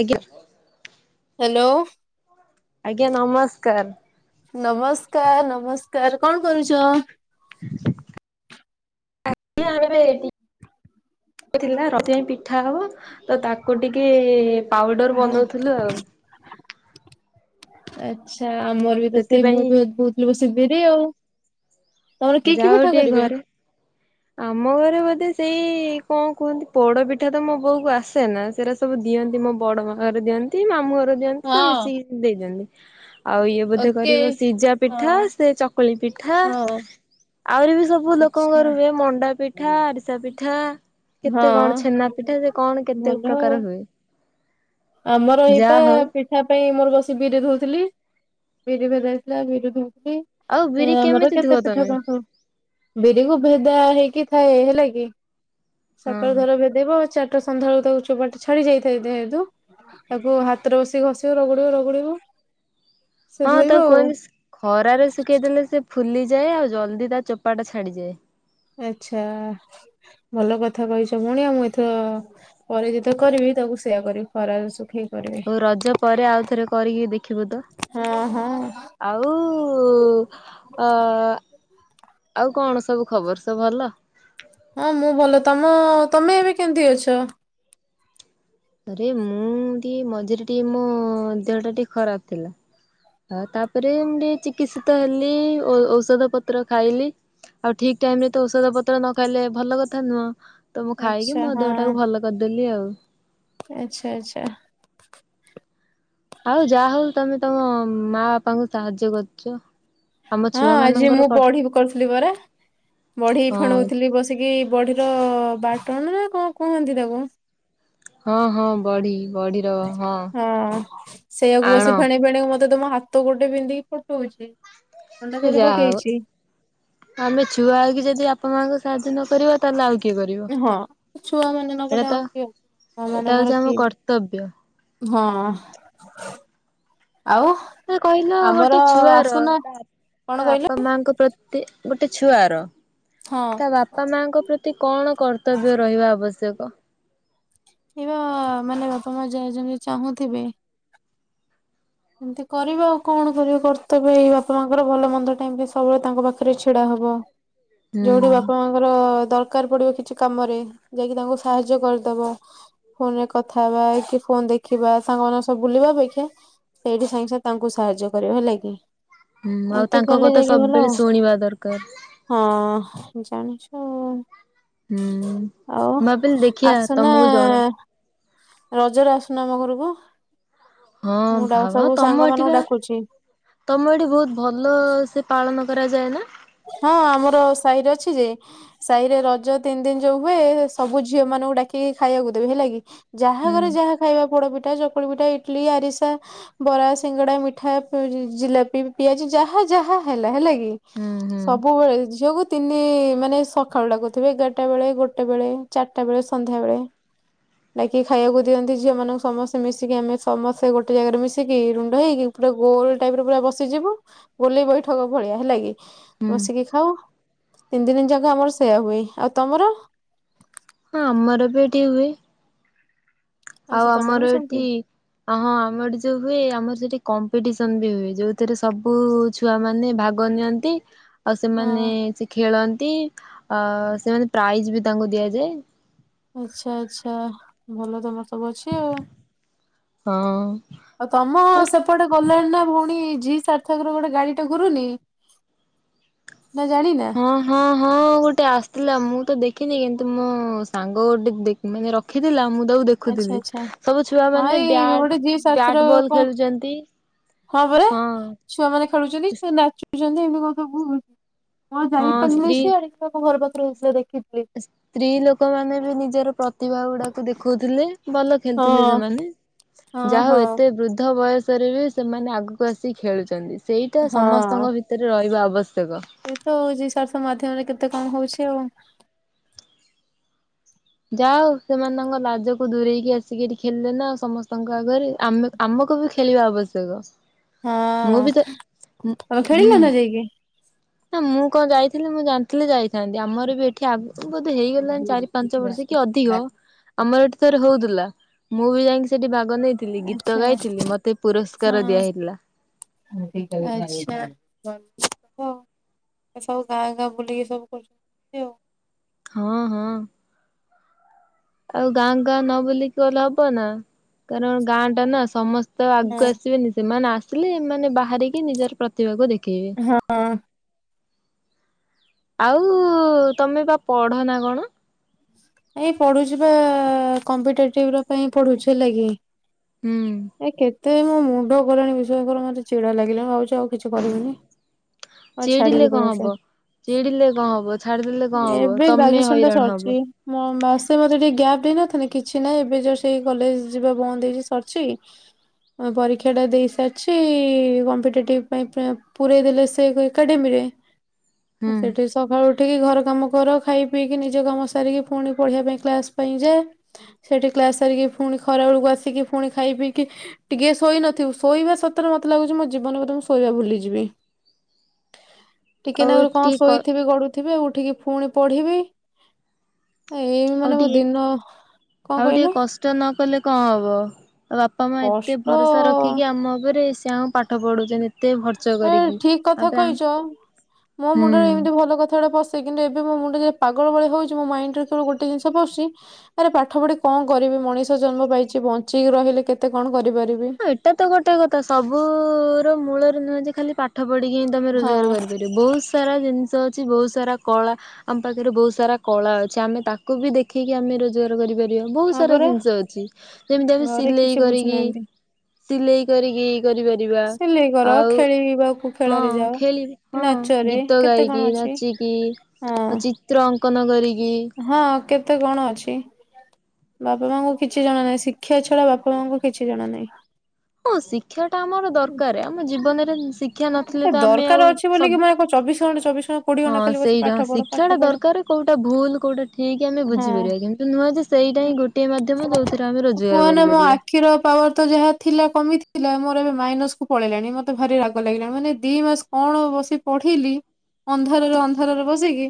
ଆଜ୍ଞା। ହ୍ୟାଲୋ। ଆଜ୍ଞା ନମସ୍କାର। ନମସ୍କାର ନମସ୍କାର କଣ କରୁଚ଼? ଜି ଆମେ ବି ଏଇଠି ଏଥିଲା ରାତି ପାଇଁ ପିଠା ହବ। ତ ତାକୁ ଟିକେ ପାଉଡର ଓହୋ ବନଉଥିଲୁ ଆଉ ଆଚ୍ଛା ଆମର ବି ତ ସେଇ ମୁଁ ସେଥିପାଇଁ ବି ବହୁତ ଲୋକ ସେ ବିରି ଆଉ ତମର କି ଯାହା କି ହଉ ପିଠା ଟିକେ କରିବେ? ଘରେ ଆମ ଘରେ ବୋଧେ ସେଇ କଣ କୁହନ୍ତି ପୋଡ ପିଠା ତ ମୋ ବୋଉକୁ ଆସେ ନା ସେଟ ସବୁ ଦିଅନ୍ତି ମୋ ବଡ ମା ବି ଦିଅନ୍ତି ମାମୁଁ ଘର ଦିଅନ୍ତି ହଁ ସବୁ ମିଶିକି ଦେଇ ଦିଅନ୍ତି। ଆଉ ଇଏ ବୋଧେ ଓକେ କରିବ ସିଜା ହଁ। ପିଠା ସେ ଚକୁଳି ପିଠା। ହଁ। ଆହୁରି ବି ସବୁ ଲୋକଙ୍କ ଆଚ୍ଛା। ରୁହେ ମଣ୍ଡା ପିଠା ଆରିସା ପିଠା। କେତେ କଣ ହଁ। ଛେନା ପିଠା ସେ କଣ କେତେ ଭଲ ଆଉ ପ୍ରକାର ହୁଏ। ଆମର ଏଇପା ଯାହା ହଉ ପିଠା ପାଇଁ ମୋର ବସି ବିରି ଧଉଥିଲି ବିରି ଭେଦା ହେଇଥିଲା ବିରି ଆଉ ଧଉଥିଲି। ବିରି ଆମର କେମିତି ଧୁଅ କେତେ ପିଠା ତମେ? କଣ ସବୁ ବିରିକୁ ଭେଦା ହେଇକି ଥାଏ ହେଲା କି ହଁ ସକାଳ ଧର ଭେଦ ଦେବ ଚାରିଟା ସନ୍ଧ୍ୟାଳକୁ ତାକୁ ଚୋବାଟା ଛାଡି ଯାଇଥାଏ ଦେହେତୁ ତାକୁ ହାତରେ ବସି ଘଷିବ ରଗୁଡିବ ରଗୁଡିବ। ହଁ ତାକୁ କଇସ ଖରାରେ ଶୁଖେଇଦେଲେ ସେ ଫୁଲିଯାଏ ଆଉ ଜଲ୍ଦି ତା ଚୋପାଟା ଛାଡିଯାଏ। ଆଛା ଭଲ କଥା କହିଛ ଭୋଉଣି ମୁଁ ଏଥର ପରେ ଯେତେଳେ କରିବି ତାକୁ ସେଇୟା କରିବି ଖରାାରେ ଶୁଖେଇ କରିବି। ହଉ ରଜ ପରେ ଆଉଥରେ କରିକି ଦେଖିବୁ ତ। ହଁ ହଁ। ଆଉ ଅ-ଅ ଆଉ କଣ ସବୁ ଖବର ସବୁ ଭଲ। ହଁ ମୁଁ ଭଲ ତମ ତମେ ଏବେ କେମତି ଅଛ। ଆରେ ମୁଁ ଟିକେ ମଝିରେ ଟିକେ ମୋ ଦେହ ଟା ଟିକେ ଖରାପ ଥିଲା। ହ ତାପରେ ମୁ ଟିକେ ଚିକିତ୍ସିତ ହେଲି ଔଷଧ ପତ୍ର ଖାଇଲି। ଆଉ ଠିକ୍ ଟାଇମ ରେ ତ ଔଷଧ ପତ୍ର ନ ଖାଇଲେ ଭଲ କଥା ନୁହଁ ତ ମୁଁ ଖାଇକି ଆଚ୍ଛା ମୋ ଦେହଟାକୁ ଭଲ କରିଦେଲି ଆଉ ଆଚଛା ଆଚ୍ଛା। ଆଉ ଯାହା ହଉ ତମେ ତମ ମା ବାପାଙ୍କୁ ସାହାଯ୍ୟ କରୁଚ଼। ହଁ ଆଜି ମୁଁ ବଢି କରୁଥିଲି ବରା ବଢେଇ ହଁ ଫେଣଉଥିଲି ବସ ସେ କିି ବଢିର ବାଟଣ ନା କଣ କୁହନ୍ତି ତାକୁ ହଁ ହଁ ବଢି। ହଁ ସେଇଆକୁ ଆଣ ବସି ଫେଣିଇ ଫେଣି ମତେ ତ ମୋ ହାତ ଗୋଟେ ପିନ୍ଧିକି ଫଟଉଚି। ସେ ଯାହା ହଉ ଆମେ ଛୁଆ ହେଇକି ଯଦି ବାପା ମାଙ୍କୁ ସାହାଯ୍ୟ ନ କରିବା ତା ଏଲେ ଆଉ କିଏ କରିବ ହଁ। ଛୁଆ ମାନେ ନ ଗଲେ ଆଉ ଏଇଆତ କିଏ ଅଛି। ମା ଏଟା ମାନଙ୍କର ଅଉଚି ଆମ କିଏ? କର୍ତ୍ତବ୍ୟ। ହଁ ଆଉ ସେ କହିଲ ଆମର ଗୋଟେ ଛୁଆର ଆସୁନା କଣ ତା କହିଲେ? ବାପା ମାଆଙ୍କ ପ୍ରତି ଗୋଟେ ଛୁଆର ହଁ ତା ବାପା ମାଙ୍କ ପ୍ରତି କଣ କର୍ତ୍ତବ୍ୟ ରହିବା ଅବଶ୍ୟ ସ୍ୟକ ଏଇବା ମାନେ ବାପା ମା ଯା ଯେମିତି ଚାହୁଁଥିବେ। ଏମିତି କରିବା ଆଉ କଣ କର କର୍ତ୍ତବ୍ୟ ଏଇ ବାପା ମାଙ୍କର ଭଲ ମନ୍ଦ ଟାଇମ ପାଇଁ ସବୁବେଳେ ତାଙ୍କ ପାଖରେ ଛିଡା ହବ। ହୁଁ ଯୋଉଟି ବା ବାପା ମା'ଙ୍କର ଦରକାର ପଡିବ କିଛି କାମରେ ଯାଇକି ତାଙ୍କୁ ସାହାଯ୍ୟ କରିଦବ। ଫୋନ ରେ କଥା ହେବା କି ଫୋନ ଦେଖିବା ସାଙ୍ଗମାନଙ୍କ ସହ ବୁଲିବା ଅପେକ୍ଷା ଏଇଠି ସାଙ୍ଗେ ସାଙ୍ଗେ ତାଙ୍କୁ ସାହାଯ୍ୟ କରିବ ହେଲା କି। ହୁଁ ଆଉ ଏମିତି ତାଙ୍କ କଲେ କଥା ଯାଇକି ଭଲ ସବୁବେଳେ ଶୁଣିବା ଦରକାର। ହଁ ଜାଣିଛୁ ଆଉ। ହୁଁ ଆଉ ମୁଁ ଭାବିଲି ଦେଖିଆ ଆସୁନା ତମକୁ ଜଣ ରଜରେ ଆସୁନ ଆମ ଘରକୁ। ହଁ ମୁଁ ଡା ଭାବ ସବୁ ସାଙ୍ଗ ତମ ମାନଙ୍କୁ ଏଠିବା ଡାକୁଛି ତମ ଏଠି ବହୁତ ଭଲ ସେ ପାଳନ କରାଯାଏ ନା? ହଁ ଆମର ସାହିରେ ଅଛି ଯେ। ସାହିରେ ରଜ ତିନଦିନ ଯୋଉ ହୁଏ ସବୁ ଝିଅ ମାନଙ୍କୁ ଡାକିକି ଖାଇବାକୁ ଦେବେ ହେଲା କି। ଯାହା ହୁଁ ଘରେ ଯାହା ଖାଇବା ପୋଡପିଠା ଚକୁଳି ପିଠା ଇଟଲି ଆରିସା। ବରା ସିଙ୍ଗଡା ମିଠା ପି ଜିଲାପି ପିଆଜି ଯାହା ଯାହା ହେଲା ହେଲା କି ହୁଁ ହୁଁ ସବୁବେଳେ ଝିଅକୁ ତିନି ମାନେ ସଖାଳୁ ଡାକୁଥିବେ ଏଗାରଟା ବେଳେ ଗୋଟେ ବେଳେ ଚାରିଟା ବେଳେ ସନ୍ଧ୍ୟା ବେଳେ। ଡାକିକି ଖାଇବାକୁ ଦିଅନ୍ତି ଝିଅ ମାନଙ୍କୁ ସମସ୍ତେ ମିଶିକି ଆମେ ସମସ୍ତେ ଗୋଟେ ଜାଗାରେ ମିଶିକି ରୁଣ୍ଡ ହେଇକି। ପୁରା ଗୋଲ ଟାଇପରେ ପୁରା ବସିଯିବୁ ଗୋଲେଇ ବୈଠକ ଭଳିଆ ହେଲା କି। ହୁଁ ବସିକି ଖାଉ ତିନଦିନ ଯାକ ଆମର ସେୟା ହୁଏ। ଆଉ ତମର? ହଁ ଆମର ବି ଏଠି ହୁଏ। ଆଉ ଆଚ୍ଛା ତମର ଆମର ବି ସେମିତି ଏଠି ଅ ହଁ ଆମର ଯୋଉ ହୁଏ ଆମର ସେଠି କମ୍ପିଟିସନ ବି ହୁଏ ଯୋଉଥିରେ ସବୁ ଛୁ ଛୁଆ ମାନେ ଭାଗ ନିଅନ୍ତି। ଆଉ ସେମାନେ ହଁ ସେ ଖେଳନ୍ତି ଅ ସେମାନେ ପ୍ରାଇଜ ବି ତାଙ୍କୁ ଦିଆଯାଏ। ଆଚ୍ଛା ଆଛା ଭଲ ତମର ସବୁ ଅଛି ଆଉ। ହଁ। ଆଉ ତମ ସେପଟେ ଗଲାଣି ନା ଭଉଣୀ ଜି ସାର୍ଥକ ର ଗୋଟେ ଗାଡିଟେ ଘୁରୁନି। ନା ଜାଣିନା। ହଁ ହଁ ହଁ ଗୋଟେ ଆସିଥିଲା ମୁଁ ତ ଦେଖିନି କିନ୍ତୁ ମୋ ସାଙ୍ଗ ଗୋଟେ ମାନେ ରଖିଥିଲା ମୁଁ ତାକୁ ଆଚ୍ଛା ଦେଖୁଥିଲି ଆଚ୍ଛା ସବୁ ଛୁଆ ହଁ ମାନେ ଏଇ ବ୍ୟା ଗୋଟେ ଜି ବ୍ୟାଟ ବଲ ଖେଳୁଛନ୍ତି। ତାପରେ ହଁ ଛୁଆମାନେ ଖେଳୁଛନ୍ତି ଛୁଆ ନାଚୁଛନ୍ତି ଏମିତି କଥା [unintelligible] ହଁ ଯାଇପାରିଲିନି ସିଆଡେ। ସେ ଆମ ଘର ପାଖରେ ରହି ଦେଖିଛି। ସ୍ତ୍ରୀ ଲୋକମାନେ ବି ନିଜର ପ୍ରତିଭା ଗୁଡାକୁ ଦେଖଉଥିଲେ ଭଲ ହଁ ଖେଳୁଥିଲେ ସେମାନେ। ହଁ ଯା ହଉ ହଁ ଏତେ ବୃଦ୍ଧ ବୟସରେ ବି ସେମାନେ ଆଗକୁ ଆସିିକି ଖେଳୁଛନ୍ତି। ସେଇଟା ସମସ୍ତଙ୍କ ଭିତରେ ରହିବା ଆବଶ୍ୟକ। ସେଇତ ଜୀ ସାର୍ଥକ ମାଧ୍ୟମରେ କେତେ କଣ ହଉଛି ଆଉ। ଯାହୋଉ ସେମାନେ ତାଙ୍କ ଲାଜକୁ ଦୂରେଇକି ଆସିକି ଏଠି ଖେଳିଲେ ନା ସମସ୍ତଙ୍କ ଆଗରେ। ଆମେ ଆମକୁ ବି ଖେଳିବା ଆବଶ୍ୟକ। ମୁଁ ହଁ ବି [unintelligible] ତ ତମେ ହୁଁ ଖେଳିଲ ନା ଯାଇକି? ନା ମୁଁ କଣ ଯାଇଥିଲି ମୁଁ ଜାଣିଥିଲେ ଯାଇଥାନ୍ତି। ଆମର ବି ଏଠି ଆଗ ବୋଧେ ହେଇଗଲାଣି ଚାରି ପାଞ୍ଚ ବର୍ଷ କି ଅଧିକ ଆଚ୍ଛା ଆମର ଏଠିଥରେ ହୋଉଥିଲା ମୁଁ ବି ଯାଇକି ସେଠି ଭାଗ ନେଇ ଥିଲି ଗୀତ ହଁ ଗାଇଥିଲି ମତେ ପୁରସ୍କାର ଦିଆହେଇଥିଲା। ଆଛା ହ। ଏ ସବୁ ଗାଁ ଗାଁ ବୁଲିକି ସବୁ କରୁଛନ୍ତି ଆଉ। ହଁ ହଁ। ଆଉ ଗାଁ ଗାଁ ନ ବୁଲିକି ଗଲେ ହବ ନା କାରଣ ଗାଁ ଟା ନା ସମସ୍ତେ ତ ହଁ ଆଗକୁ ଆସିବେନି ସେମାନେ ଆସିଲେ ମାନେ ବାହାରିକି ନିଜର ପ୍ରତିଭାକୁ ଦେଖ କି ହଁ ଆଉ ତମେ ବା ପଢ ନା କଣ? ଏ ପଢୁଛି ବା କମ୍ପିଟେଟିଭ ର ପାଇଁ ପଢୁଛି ହେଲାକି। ହୁଁ। ଏ କେତେ ମୋ ମୁଣ୍ଡ ଗଲେଣି ବିଶ୍ୱାସ କର ମତେ ଚିଡା ଲାଗିଲାଣି ଭାବଛି ଆଉ କିଛି କରିବିନି। ଆଉ ଚିଡିଲେ ଛାଡିକି କଣ ପଳେଇ ଆସିବା। ହବ ଚିଡିଲେ କଣ ହବ ଛାଡିଦେଲେ ତମେ ହବ ଏବେ ତମେ ଗ୍ରାଜୁଏସନ ଟା ହଇରାଣ ସରିଛି ହବ ମାସେ ମତେ ଟିକେ ଗ୍ୟାପ ଦେଇ ନଥାନ୍ତେ କିଛି ନହିଁ ଏବେ ଯୋଉ ସେଇ କଲେଜ ଯିବା ବନ୍ଦ ହେଇଛି ସରିଛି ହଁ ପରୀକ୍ଷାଟା ଦେଇସାରଚି କମ୍ପିଟେଟିଭ ପାଇଁ ପା ପୁରେଇ ଦେଲେ ସେଇ ଏକାଡେମୀରେ ହୁଁ। ସେଠି ସଖାଳୁ ଉଠିକି ଘରକାମ କର ଖାଇ ପିଇକି ନିଜ କାମ ସ୍ ସାରିକି ଫୁଣି ପଢିବା ପାଇଁ କ୍ଲାସ ପାଇଁ ଯାଆ ସେଠି କ୍ଲାସ ସାରିକି ଫୁଣି ଖରା ବେଳକୁ ଆସିକି ଫୁଣି ଖାଇ ପିଇକି ଟିକିଏ ଶୋଇ ନଥିବୁ ଶୋଇବା ସତରେ ମତେ ଲାଗୁଚି ମୋ ଜୀବନରେ ବୋଧେ ମୁଁ ଶୋଇବା ଭୁଲିଯିବି। ଟିକେ ଆଉ ନାକୁରୁ କଣ ଟିକେ କ ଶୋଇଥିବି ଗଡୁଥିବି ଆଉ ଉଠିକି ଫୁଣି ପଢିବି। ଏଇ ଆଉ ମାନେ ମୋ ଟିକେ ଦିନ କଣ ଆଉ ଟିକେ କହିଲ? କଷ୍ଟ ନ କଲେ କଁ ହବ ଆ ବାପା ମାଆ ଏତେ କଷ୍ଟ ଭରସା ରଖିକି ଆମ ଓପରେ ସେ ଆମ ପା ପାଠ ପଢୋଉଚନ୍ତି ଏତେ ଭର୍ ଏ ଠିକ କଥା କହିଚ ମୋ ମୁଣ୍ଡରେ ହୁଁ। ଏମିତି ଭଲ କଥାଗୁଡା ପସ୍ ସେ କିନ୍ତୁ ଏବେ ମୋ ମୁଣ୍ଡ ଯେ ପାଗଳ ଭଳି ହୋଉଚି ମୋ ମାଇଣ୍ଡରେ କେବଳ ଗୋଟେ ଜିନିଷ ପସୁଚି ଆରେ ପାଠ ପଢି କଣ କରିବି ମଣିଷ ଜନ୍ମ ପାଇଚି ବଞ୍ଚିକି ରହିଲେ କେତେ କଣ କରିପାରିବି। ହଁ ଏଟା ତ ଗୋଟେ କଥା ସବୁ ର ମୂଳରେ ନୁହେଁ ଯେ ଖାଲି ପାଠ ପଢିକି ହିଁ ତମେ ହଁ ରୋଜଗାର କରିପାରି ବୋହୁତ ସାରା ଜିନିଷ ଅଛି ବୋହୁତ ସାରା କଳା ଆମ ପାଖରେ ବୋହୁତ ସାରା କଳା ଅଛି ଆମେ ତାକୁ ବି ଦେଖେଇକି ଆମେ ରୋ ଜଗାର କରିପାରିବା ବୋହୁତ ହଁ ସାରା ପରା ଜିନଷ ଅଛି ଯେମିତି ଆମେ ଘରେ ସିଲେଇ କିଛି କରିକି ବୁଝୁନାହାନ୍ତି ସିଲେଇ କରିକି କରିପାରିବା ସିଲେଇ କର ଆଉ ଖେଳିବାକୁ ହଁ ଖେଳରେ ଯାଅ ଖେଳିବା ହଁ ନାଚରେ ଗୀତ କେତେ କଣ ଗାଇକି, ଅଛି ନାଚିକି ହଁ ଆଉ ଚିତ୍ର ଅଙ୍କନ କରିକି। ହଁ କେତେ କଣ ଅଛି। ବାପା ମାଆଙ୍କୁ କିଛି ଜଣା ନାହିଁ ଶିକ୍ଷା ଛଡା ବାପା ମାଆଙ୍କୁ କିଛି ଜଣା ନାହିଁ। ହଁ ଶିକ୍ଷାଟା ଆମର ଦରକାରେ ଆମ ଜୀବନରେ ଶିକ୍ଷା ନଥିଲେ ତ ଆମେ ଆଉ ନୁହେଁ କି ସବୁ ମୁଁ ଆଉ କଣ ଚବିଶ ଘଣ୍ଟା ଚବିଶ ଘଣ୍ଟା କୋଡିଏ ଘଣ୍ଟା ହଁ ଖାଲି ବସି ସେଇଟା ପାଠ ପଢ ପାଠ ଶିକ୍ଷାଟା ପଢ। ଦରକାରେ କୋଉଟା ଭୁଲ କୋଉଟା ଠିକ୍ ଆମେ ହଁ। ବୁଝିପାରିବା କିନ୍ତୁ ନୁହଁ ଯେ ସେଇଟା ହିଁ ଗୋଟିଏ ମାଧ୍ୟମ ଯୋଉଥିରେ ଆମେ ରୋଜଗାର କୁହନା ମୋ କରିପାରିବା। ଆଖିର ପାୱାର ତ ଯାହା ଥିଲା କମିଥିଲା ମୋର ଏବେ ମାଇନସକୁ ପଳେଇଲାଣି ମତେ ଭାରି ରାଗ ଲାଗିଲାଣି ମାନେ ଦିଇ ମାସ କଣ ବସି ପଢିଲି ଅନ୍ଧାରରେ ଅନ୍ଧାରରେ ବସିକି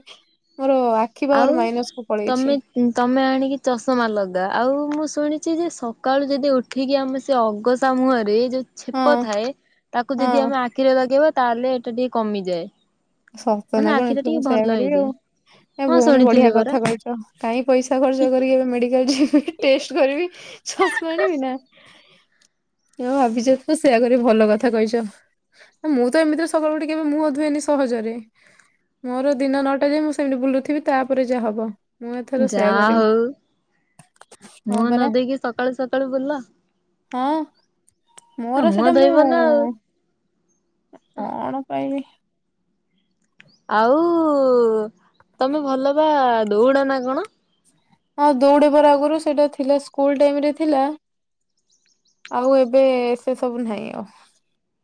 ମୋର ଆଖି ଆଉ ମାଇନସକୁ ତମେ ପଳେଇଛି। ତମେ ଆଣିକି ଚଷମା ଲଗା ଆଉ ମୁଁ ଶୁଣିଚି ଯେ ସକାଳୁ ଯଦି ଉଠିକି ଆମେ ସେ ଅଘସା ମୁହଁରେ ଯୋଉ ଛେପ ହଁ। ଥାଏ ତାକୁ ଯଦି ହଁ ଆମେ ଆଖିରେ ଲଗେଇବା ତାହେଲେ ଏଟା ଟିକେ କମିଯାଏ। ସତ ନା ମାନେ କଣ ଆଖିଟା ଏଥରୁ ମୁଁ ଟିକେ ସେୟା ଭଲ କରିବି ଆଉ। ହେଇଯାଏ ଏ ହଁ ଭୋଉଣୀ ବଢ଼ିଆ ଶୁଣିଥିଲି ପରା କଥା କୋହିଚ କାଇଁ ପଇସା ଖର୍ଚ୍ଚ କରିକି ଏବେ ମେଡିକାଲ ଯିବି। ଟେଷ୍ଟ କରିବି ଚସମା ଆଣିବି ନା ଆ ଅଭିଯୋଗ ତ ସେଇୟା କରି ଭଲ କଥା କହିଚ। ହଁ ତ ଏମିତିରେ ସକାଳୁ ଉଠି କେବେ ମୁଁ ଧୁଏନି ସ୍ ସହଜରେ ମୋର ଦିନ ନଅଟା ଯାଏ ମୁଁ ସେମିତି ବୁଲୁଥିବି ତାପରେ ଯାହା ହବ। ମୁଁ ଏଥର ସେୟା ଯାହା କରିବି ହଉ ହଁ ମୁହଁ ପରା। ନ ଦେଇକି ସକାଳୁ ସକାଳୁ ବୁଲ ହଁ ମୋର ମୁହଁ ସେଟା ଧୋଇବ ନା ଆଉ ମୁଁ କଣ ପାଇବି। ଆଉ ତମେ ଭଲ ବା ଦୋଉଡ ନା କଣ? ହଁ ଦୌଡ଼େପରା ଆଗରୁ ସେଇଟା ଥିଲା ସ୍କୁଲ ଟାଇମରେ ଥିଲା। ଆଉ ଏବେ ସେ ସବୁ ନାହିଁ ଆଉ।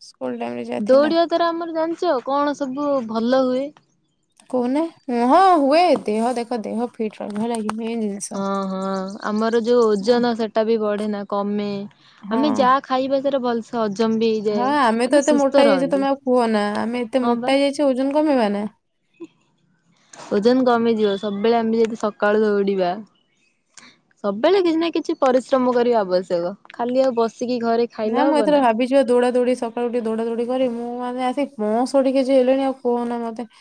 ସ୍କୁଲ ଟାଇମ ରେ ଯାହା ଥିଲା ଦୌଡିବା ଦ୍ୱାରା ଆମର ଜାଣିଚ କଣ ସବୁ ଭଲ ହୁଏ? କୋହୁନ ଏ ହଁ ହୁଏ ଦେହ ଦେଖ ଦେହ ଫିଟ୍ ରହିବ ହେଲାକି ମେନ୍ ଜି ହଁ ହଁ ଆମର ଯୋଉ ହଁ ଓଜନ ସେଟା ବି ବଢ଼େନା କମେ ଆମେ ଯା ଖା ଖାଇବା ସେଟା ଭଲସ୍ ହଜମ ବି ହେ ହଁ ଆମେ ତ ଏତେ ମୋଟା ଯାଇଚେ ତମେ ଆଉ କୁହନା ଆମେ ଏତେ ହଁ ବା ମୋଟା ଯାଇଚେ ଓଜନ କମେଇବା ନା? ଓଜନ କମିଯିବ ସବୁବେଳେ ଆମେ ଯଦି ସକାଳୁ ଦୌଡିବା। ସବୁବେଳେ କିଛି ନା କିଛି ପରିଶ୍ରମ କରିବା ଆବଶ୍ୟକ ଖାଲି ଆଉ ବସିକି ଘରେ ଖାଇଲେ ନାଁ ମୁଁ ହବ ଏଥର ନା। ଭାବିଛି। ଯିବା ଦୌଡ଼ା ଦୌଡି ସକାଳୁ ଉଠିକି ଦୌଡା ଦୌଡି କରି ମୁଁ ଆମେ ଆସି ପଅଁଷଠି କେଜି ହେଲିଣି ଆଉ କୁହନା ମତେ।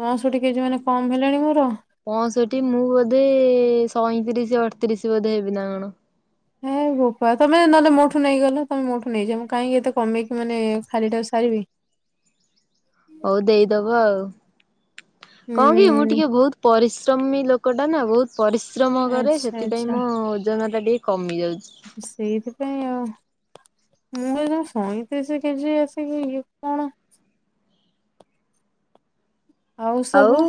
ପଅଁଷଠି କେଜି ମାନେ କମ ହେଲାଣି ମୋର। ପଅଁଷଠି ମୁଁ ବୋଧେ ସଇଁତିରିଶ ଅଢତିରିଶି ବୋଧେ ହେବି ନା କଣ। ମୋ ବୋପା ତମେ ନହେଲେ ମୋ ଠୁ ନେଇଗଲ ତମେ ମୋ ଠୁ ନେଇଯା ମୁଁ କାହିଁକି ଏତେ କମେଇି ମାନେ ଖାଲି ଟା ସାରିବି। ହଉ ଦେଇଦବ ଆଉ କଣ କି ମୁଁ ହୁଁ ଟିକେ ବହୁତ ପରିଶ୍ରମୀ ଲୋକ ଲୋକଟା ନା ବହୁତ ପରିଶ୍ରମ କରେ ଆଚ୍ଛା ସେଥିପାଇଁ ଆଚ୍ଛା ମୋ ଓଜନ ଟା ଟିକେ କମିଯାଉଚି। ସେଇଥି ପାଇଁ ଆଉ। ମୁଁ କହିଲି ତମେ ସଇଁତିରିଶ କେଜି ଆସିକି ଇଏ କଣ। ଆଉ ସବୁ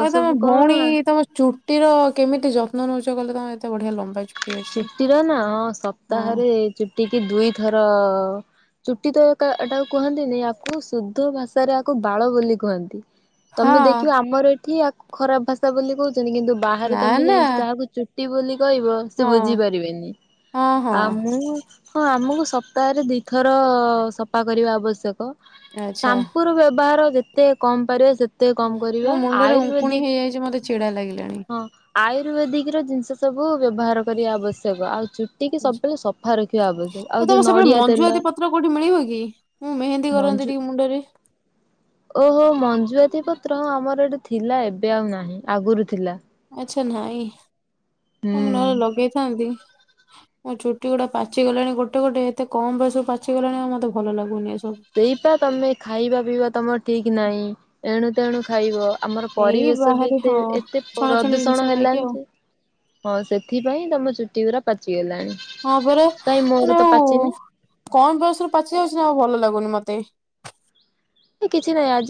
ଆଉ ତମ ସବୁ କଣ ଭଉଣୀ ତମେ ଚୁ ଟିର କେମିତି ଯତ୍ନ ନେଉଛ କଲେ ତମ ଏତେ ବଢ଼ିଆ ଲମ୍ବା ଚୁ ଚୁଟିର ନା ହଁ ସପ୍ତାହରେ ଚୁଟି କି ଦୁଇଥର ଚୁଟି ତ ଏକା ଏଟାକୁ କୁହନ୍ତିନି ଆକୁ ଶୁଦ୍ଧ ଭାଷାରେ ଆକୁ ବାଳ ବୋଲି କୁହନ୍ତି। ତମେ ହଁ ଦେଖିବ ଆମର ଏଠି ଆକୁ ଖରାପ ଭାଷା ବୋଲି କହୁଛନ୍ତି କିନ୍ତୁ ବାହାରେ ନା ତମେ ନା ଯାଇକି ତାହାକୁ ଚୁ ଚୁଟି ବୋଲି କହିବ ସେ ହଁ ବୁଝିପାରିବେନି ହଁ ହଁ ଆଉ ମୁଁ ହଁ ଆମକୁ ସପ୍ତାହରେ ଦିଥର ସଫା କରିବା ଆବଶ୍ୟକ। ଆଚ୍ଛା ସାମ୍ପୁର ବ୍ୟବହାର ଯେତେ କମ ପାରିବ ସେତେ ସେତେ କମ କରିବା ମୋ ମୁଣ୍ଡରେ ଉଙ୍କୁଣି ଆୟୁର୍ବେଦିକ ହେଇଯାଇଛି ମତେ ଚିଡା ଲାଗିଲାଣି। ହଁ। ଆୟୁର୍ବେଦିକ ର ଜିନିଷ ସବୁ ବ୍ୟବହାର କରିବା ଆବଶ୍ୟକ ଆଉ ଚୁ ଆଉ ତମ ସେ ପଟେ ନଡିଆ ତେଲ ମଞ୍ଜୁଆତି ପତ୍ର କୋଉଠି ମିଳିବ କି? ମୁଁ ମେହେନ୍ଦୀ ମଞ୍ଜୁ କରନ୍ତି ଟିକେ ମୁଣ୍ଡରେ। ଓହୋ ମଞ୍ଜୁଆତି ପତ୍ର ହ ଆମର ଏଠି ଥିଲା ଏବେ ଆଉ ନାହିଁ ଆଗରୁ ଥିଲା। ଆଚ୍ଛା ନାଇଁ ହୁଁ ନହେଲେ ଲଗେଇଥାନ୍ତି। ମୋ ଚୁଟି ଗୁଡ଼ା ପାଚି ଗଲାଣି ଗୋଟେ ଗୋଟେ ଏତେ କମ୍ ବୟସ ପାଚିଗଲାଣି ଆଉ ମତେ ଭଲ ଲାଗୁନି ଏ ସବୁ। ସେଇପା ତମେ ଖାଇବା ପିଇବା ତମର ଠିକ ନାହିଁ ଏଣୁ ତେଣୁ ଖାଇବ। ଆମର ଏଇ ପରିବେଶ ବି ବାହାରେ ଏତେ ହଁ ଏତେ ଛଣାଛଣି ପ୍ରଦୂଷଣ ଜିନିଷ ଖାଇକି ହେଲାଣି ଆଉ। ଯେ ହଁ ସେଥିପାଇଁ ତମ ଚୁଟି ଗୁରା ପାଚିଗଲାଣି। ହଁ ପରା କାଇଁ ମାନେ ମୋର ତ ଆଉ ପାଚିନି କମ୍ ବୟସରେ ପାଚି ଯାଉଛି ନା ଆଉ ଭଲ ଲାଗୁନି ମତେ। କିଛି ନାଇଁ ଆଜି